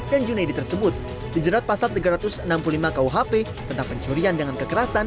junaidi tersebut dijerat pasal tiga ratus enam puluh lima kuhp tentang pencurian dengan kekerasan